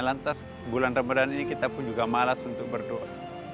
lantas bulan ramadhan ini kita pun juga malas untuk berdoa